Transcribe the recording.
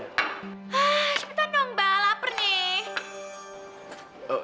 ah cepetan dong mbak lapar nih